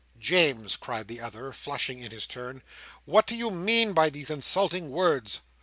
"James!" cried the other, flushing in his turn. "What do you mean by these insulting words?